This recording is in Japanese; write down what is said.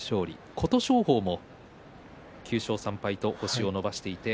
琴勝峰も９勝３敗と星を伸ばしています。